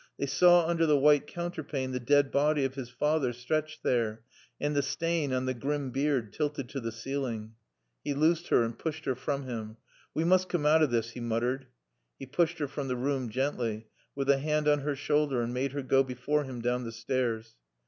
They saw under the white counterpane the dead body of his father stretched there, and the stain on the grim beard tilted to the ceiling. He loosed her and pushed her from him. "We moost coom out o' this," he muttered. He pushed her from the room, gently, with a hand on her shoulder, and made her go before him down the stairs.